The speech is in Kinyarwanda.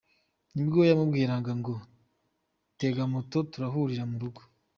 Nibwo yamubwiraga ngo tega moto turahurira mu rugo.